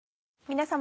皆様。